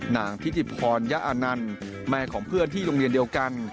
นางทิติพรยะอานันต์แม่ของเพื่อนที่โรงเรียนเดียวกัน